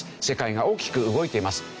世界が大きく動いています。